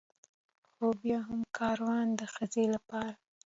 خو بيا هم کاروان د ښځې لپاره